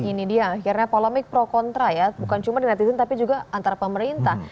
ini dia akhirnya polemik pro kontra ya bukan cuma di netizen tapi juga antar pemerintah